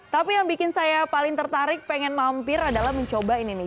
tapi yang bikin saya paling tertarik pengen mampir adalah mencoba ini nih